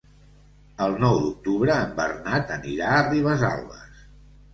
El nou d'octubre en Bernat anirà a Ribesalbes.